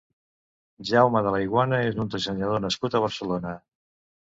Jaume de Laiguana és un dissenyador nascut a Barcelona.